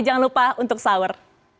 jangan lupa untuk sahur